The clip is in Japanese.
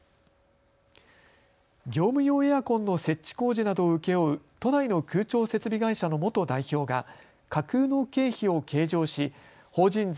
業務用エアコンの設置工事などを請け負う都内の空調設備会社の元代表が架空の経費を計上し法人税